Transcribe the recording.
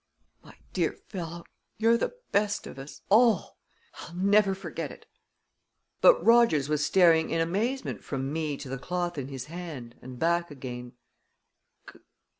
"My dear fellow; you're the best of us all; I'll never forget it!" But Rogers was staring in amazement from me to the cloth in his hand, and back again.